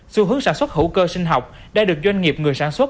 xu hướng sản xuất hữu cơ sinh học đã được doanh nghiệp người sản xuất